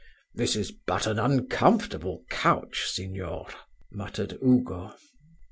"This is but an uncomfortable couch, Signor," muttered Ugo.